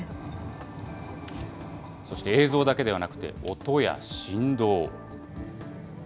そして、映像だけではなくて、音や振動。